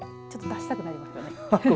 ちょっと出したくなりますよね。